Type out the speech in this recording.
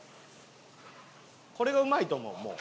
これがうまいと思うもう。